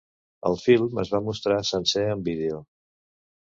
El film es va mostrar sencer en vídeo.